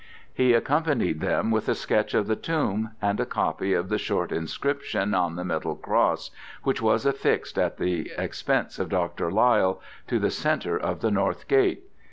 He accompanied them with a sketch of the tomb and a copy of the short inscription on the metal cross which was affixed at the expense of Dr. Lyall to the centre of the northern side.